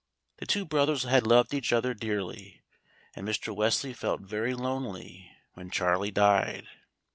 The two brothers had loved each other dearly, and Mr. Wesley felt very lonely when "Charlie" died.